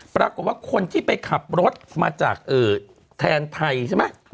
ปรากฏว่าคนที่ไปขับรถมาจากแทนไทยใช่ไหม